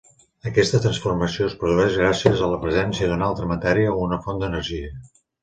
Aquesta transformació es produeix gràcies a la presència d'una altra matèria o una font d'energia.